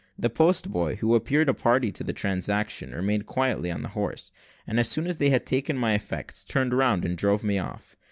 The post boy, who appeared a party to the transaction, remained quietly on his horse, and as soon as they had taken my effects, turned round and drove off.